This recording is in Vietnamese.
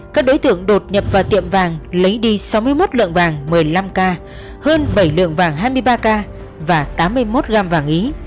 các đối tượng đột nhập vào tiệm vàng lấy đi sáu mươi một lượng vàng một mươi năm k hơn bảy lượng vàng hai mươi ba k và tám mươi một gram vàng ý